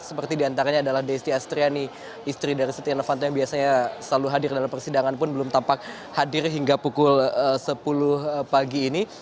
seperti diantaranya adalah desti astriani istri dari setia novanto yang biasanya selalu hadir dalam persidangan pun belum tampak hadir hingga pukul sepuluh pagi ini